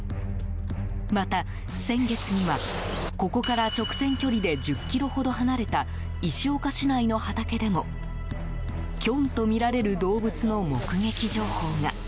また、先月にはここから直線距離で１０ｋｍほど離れた石岡市内の畑でもキョンとみられる動物の目撃情報が。